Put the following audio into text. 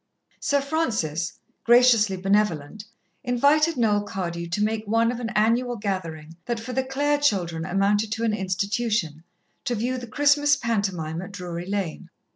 Sir Francis, graciously benevolent, invited Noel Cardew to make one of an annual gathering that, for the Clare children, amounted to an institution to view the Christmas pantomime at Drury Lane.